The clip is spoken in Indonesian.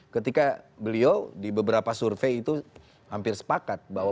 ketika beliau di beberapa survei itu hampir sepakat bahwa